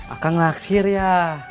akang naksir ya